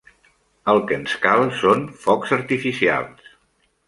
El que ens cal són focs artificials.